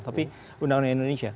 tapi undang undang indonesia